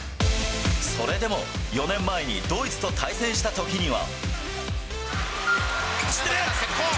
それでも、４年前にドイツと対戦したときには。